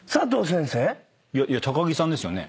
いや高木さんですよね？